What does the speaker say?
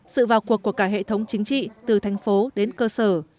sự vào cuộc của cả hệ thống chính trị từ tp đến cơ sở